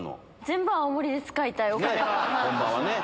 全部青森で使いたいお金は。